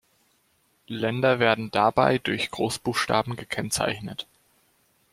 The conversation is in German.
Länder werden dabei durch Großbuchstaben gekennzeichnet.